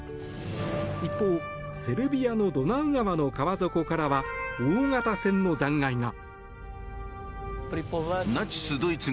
一方、セルビアのドナウ川の川底からは大型船の残骸が。